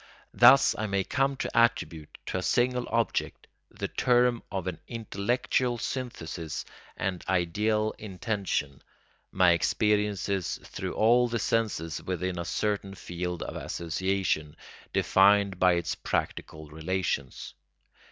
Thus I may come to attribute to a single object, the term of an intellectual synthesis and ideal intention, my experiences through all the senses within a certain field of association, defined by its practical relations.